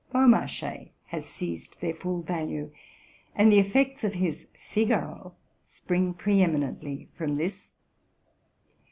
Beaumarchais has seized their full value, and the effects of his '' Figaro'' spring pre eminently from this.